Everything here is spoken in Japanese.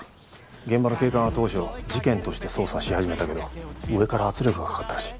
現場の警官は当初事件として捜査し始めたけど上から圧力がかかったらしい。